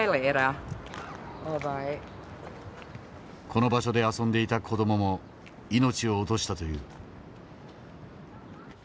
この場所で遊んでいた子どもも命を落としたという。